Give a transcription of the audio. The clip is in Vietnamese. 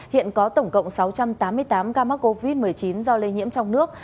hiện có tổng cộng sáu trăm tám mươi tám ca mắc covid một mươi chín do lây nhiễm trong nước